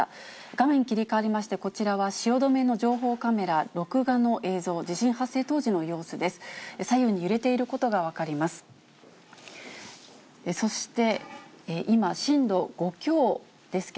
画面切り替わりまして、こちらは汐留の情報カメラ、録画の映像、地震発生当時の様子です。